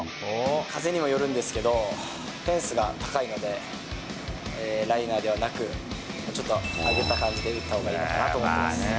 風にもよるんですけど、フェンスが高いので、ライナーではなく、ちょっと上げた感じで打ったほうがいいのかなと思ってます。